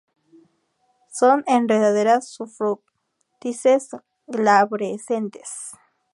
Son enredaderas sufrútices, glabrescentes.